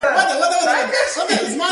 د ناور جهیل د کومو مرغانو کور دی؟